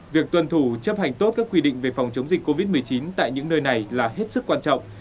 việc tuân thủ chấp hành tốt các quy định về phòng chống dịch covid một mươi chín tại những nơi này là hết sức quan trọng